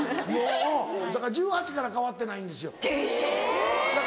だから１８歳から変わってないんですよ。